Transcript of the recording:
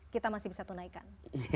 kita masih bisa tunaikan